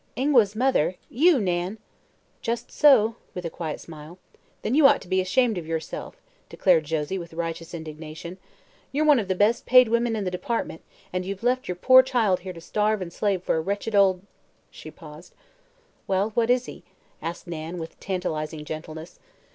"Ingua's mother! You, Nan?" "Just so," with a quiet smile. "Then you ought to be ashamed of yourself," declared Josie with righteous indignation. "You're one of the best paid women in the Department, and you've left your poor child here to starve and slave for a wretched old ," she paused. "Well, what is he?" asked Nan with tantalizing gentleness.